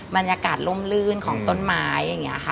บรรยากาศล่มลื่นของต้นไม้อย่างนี้ค่ะ